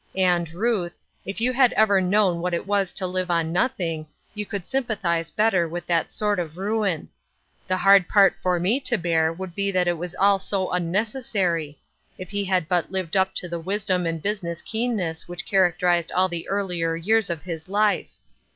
And, Ruth, if you had ever known what it was to live on nothing, you could sympathize better with that sort of ruin. The hard part for me to bear would be that it is all so unnecessary ; if he had but lived up to the wisdom and business keenness which characterized all the earlier years of his life